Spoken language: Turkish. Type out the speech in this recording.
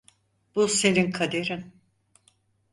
Bu senin kaderin.